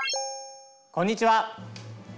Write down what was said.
こんにちは。